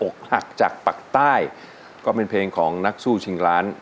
หักจากปากใต้ก็เป็นเพลงของนักสู้ชิงล้าน